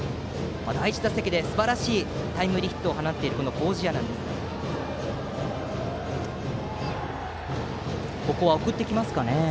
第１打席、すばらしいタイムリーヒットを放った麹家ですがここは送ってきますかね？